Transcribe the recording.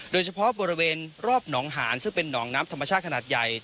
โดยเฉพาะบริเวณรอบหนองหานซึ่งเป็นหนองน้ำธรรมชาติขนาดใหญ่